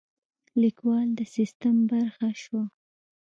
لیکوال د سیستم برخه شوه.